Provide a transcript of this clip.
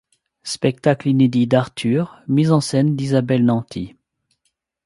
Spectacle inédit d'Arthur, mise en scène d'Isabelle Nanty.